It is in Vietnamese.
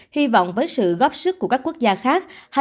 hy vọng với sự góp sức của các quốc gia khác